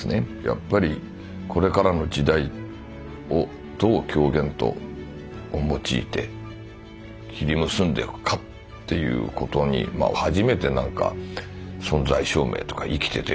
やっぱりこれからの時代をどう狂言を用いて切り結んでいくかということに初めて存在証明というか生きててよかったと思うというかね